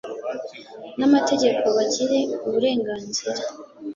n'amategeko bagire uburenganzira